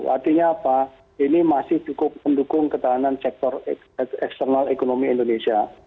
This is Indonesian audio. artinya apa ini masih cukup mendukung ketahanan sektor eksternal ekonomi indonesia